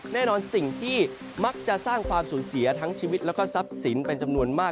แน่นอนสิ่งที่มักจะสร้างความสูญเสียทั้งชีวิตและซับสินเป็นจำนวนมาก